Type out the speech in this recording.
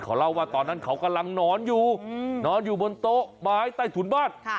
เขาเล่าว่าตอนนั้นเขากำลังนอนอยู่นอนอยู่บนโต๊ะไม้ใต้ถุนบ้าน